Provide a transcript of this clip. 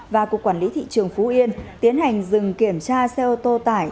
và cục quản lý thị trường phú yên tiến hành dừng kiểm tra xe ô tô tải